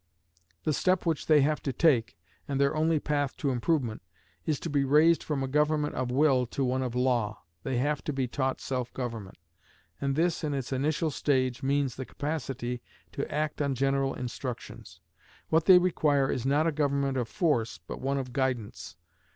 The step which they have to take, and their only path to improvement, is to be raised from a government of will to one of law. They have to be taught self government, and this, in its initial stage, means the capacity to act on general instructions. What they require is not a government of force, but one of guidance.